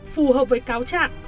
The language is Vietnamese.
phù hợp với cáo trạng